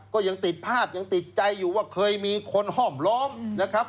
ก็ยังติดภาพยังติดใจอยู่ว่าเคยมีคนห้อมล้อมนะครับ